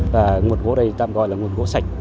và nguồn gỗ đây tạm gọi là nguồn gỗ sạch